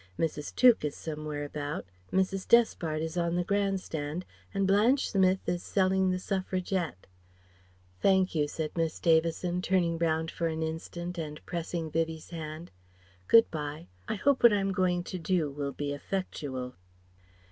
Mrs. Tuke is somewhere about, Mrs. Despard is on the Grand Stand, and Blanche Smith is selling The Suffragette." "Thank you," said Miss Davison, turning round for an instant, and pressing Vivie's hand, "Good bye. I hope what I am going to do will be effectual."